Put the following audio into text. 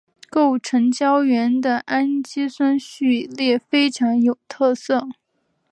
构成胶原的氨基酸序列非常有特色。